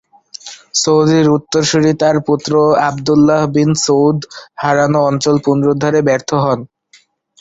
সৌদের উত্তরসুরি তার পুত্র আবদুল্লাহ বিন সৌদ হারানো অঞ্চল পুনরুদ্ধারে ব্যর্থ হন।